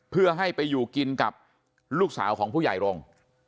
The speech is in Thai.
เพื่อให้ไปอยู่กินกับลูกสาวของผู้ใหญ่รงค์